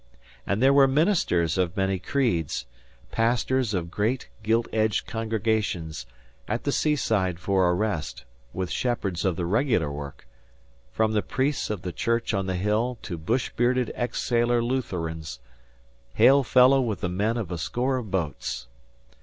And there were ministers of many creeds, pastors of great, gilt edged congregations, at the seaside for a rest, with shepherds of the regular work, from the priests of the Church on the Hill to bush bearded ex sailor Lutherans, hail fellow with the men of a score of boats.